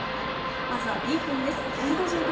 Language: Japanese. まずはビーフンです。